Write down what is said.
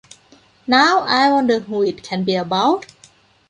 Now, I wonder who it can be about?